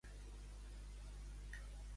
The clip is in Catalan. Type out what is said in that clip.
El dimecres, a vendre nesples.